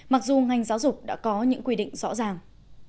mặc dù ngành giáo dục đã có những quy định rõ ràng